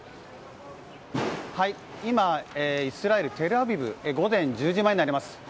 今、イスラエル・テルアビブ午前１０時前になります。